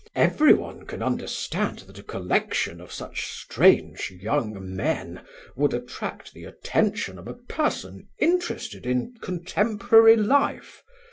Everyone can understand that a collection of such strange young men would attract the attention of a person interested in contemporary life.